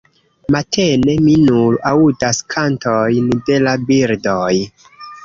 Matene, mi nur aŭdas kantojn de la birdoj.